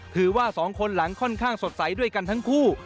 ว่าสองคนหลังค่อนข้างสดใสด้วยกันทั้งคู่